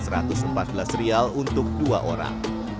rp empat belas untuk dua orang